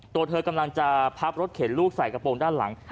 ตัวเธอกำลังจะพับรถเข็นลูกใส่กระโปรงด้านหลัง